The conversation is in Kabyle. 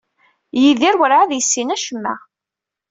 Yidir werɛad yessin acemma.